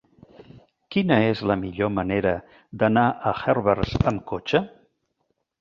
Quina és la millor manera d'anar a Herbers amb cotxe?